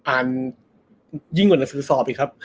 ยิ่งกว่าหนังสือสอบอีกครับ